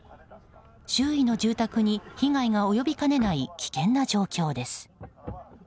周囲の住宅に被害が及びかねない危険な状況です。